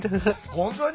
本当に？